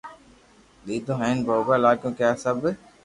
ديديو ھين يوا لگيو ڪو آ سب